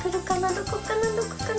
どこかなどこかな？